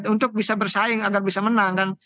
untuk bisa bersaing agar bisa menang dan